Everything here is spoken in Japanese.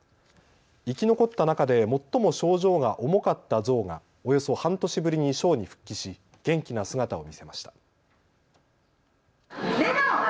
生き残った中で最も症状が重かったゾウがおよそ半年ぶりにショーに復帰し元気な姿を見せました。